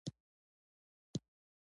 دخوشحال خان خټک زوی صدرخان خټک دﺉ.